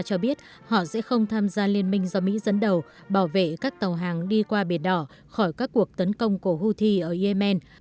cho biết họ sẽ không tham gia liên minh do mỹ dẫn đầu bảo vệ các tàu hàng đi qua biển đỏ khỏi các cuộc tấn công của houthi ở yemen